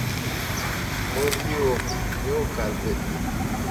Mo ge o yo kal ɓe.